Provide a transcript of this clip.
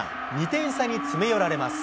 ２点差に詰め寄られます。